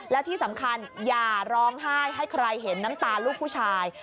และที่สำคัญอย่าร้องไห้ให้ใครเห็นน้ำตาลูกผู้ชาย